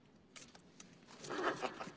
ハハハハ！